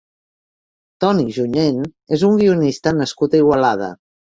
Toni Junyent és un guionista nascut a Igualada.